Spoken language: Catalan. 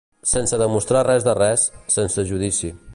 Sense demostrar res de res, sense judici.